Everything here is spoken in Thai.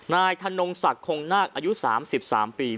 นายธนงศักดิ์คงนาคอายุ๓๓ปี